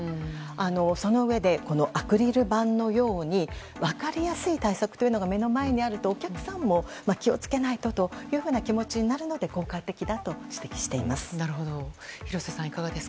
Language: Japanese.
そのうえで、アクリル板のように分かりやすい対策が目の前にあるとお客さんも気を付けないとという気持ちになるので効果的だと指摘してます。